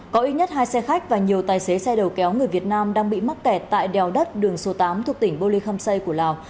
có ít nhất hai xe khách và nhiều tài xế xe đầu kéo người việt nam đang bị mắc kẹt tại đèo đất đường số tám thuộc tỉnh bô lê khâm xây của lào